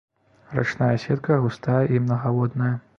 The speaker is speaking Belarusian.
Рачная сетка густая і мнагаводная.